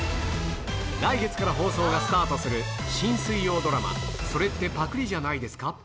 来月から放送がスタートする新水曜ドラマ、それってパクリじゃないですか？